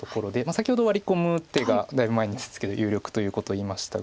先ほどワリ込む手がだいぶ前ですけど有力ということを言いましたが。